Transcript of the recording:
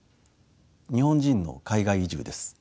日本人の海外移住です。